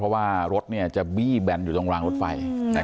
เพราะว่ารถจะบี้แบนอยู่ตรงรางรถไฟ